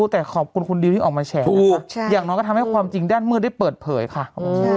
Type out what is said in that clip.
แต่ก็อดเป็นห่วงน้องดิวยังไม่ได้หรือเปล่า